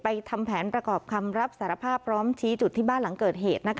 ทำแผนประกอบคำรับสารภาพพร้อมชี้จุดที่บ้านหลังเกิดเหตุ